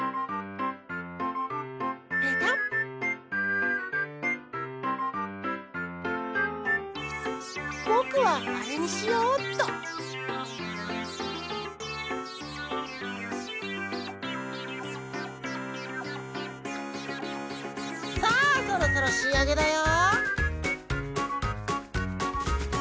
ペタッぼくはあれにしようっとさあそろそろしあげだよ！